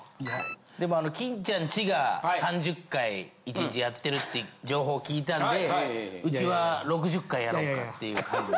でもあの金ちゃんちが３０回いけてやってるって情報聞いたんでうちは６０回やろうかっていう感じで。